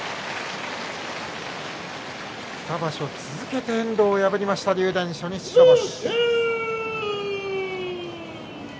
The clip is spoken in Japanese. ２場所続けて遠藤を破りました竜電初日白星。